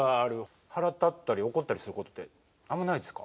腹立ったり怒ったりすることってあんまないですか？